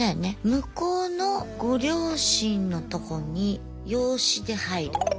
向こうのご両親のとこに養子で入る。